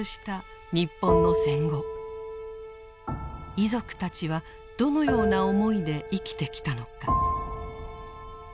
遺族たちはどのような思いで生きてきたのか。